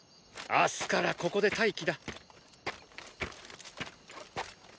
明日からここで待機だ。